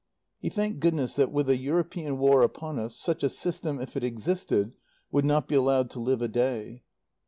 He thanked goodness that, with a European War upon us, such a system, if it existed, would not be allowed to live a day.